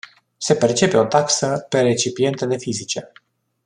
Se percepe o taxă pe recipientele fizice.